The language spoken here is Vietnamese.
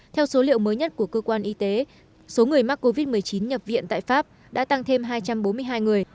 theo số liệu mới nhất của cơ quan y tế số người mắc covid một mươi chín nhập viện tại pháp đã tăng thêm hai trăm bốn mươi hai người